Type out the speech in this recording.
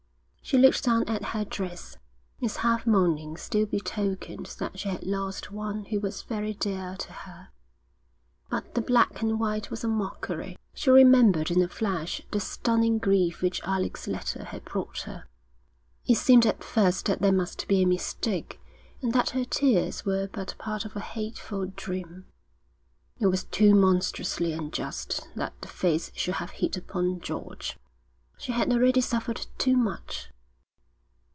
She looked down at her dress. Its half mourning still betokened that she had lost one who was very dear to her, but the black and white was a mockery. She remembered in a flash the stunning grief which Alec's letter had brought her. It seemed at first that there must be a mistake and that her tears were but part of a hateful dream. It was too monstrously unjust that the fates should have hit upon George. She had already suffered too much.